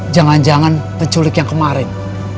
jangan jangan terculik yang kemarin